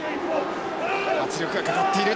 圧力がかかっている。